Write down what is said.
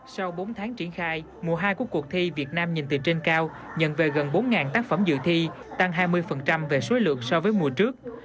sau bốn tháng triển khai mùa hai của cuộc thi việt nam nhìn từ trên cao nhận về gần bốn tác phẩm dự thi tăng hai mươi về số lượng so với mùa trước